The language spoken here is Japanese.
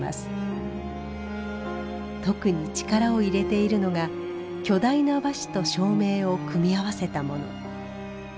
特に力を入れているのが巨大な和紙と照明を組み合わせたもの。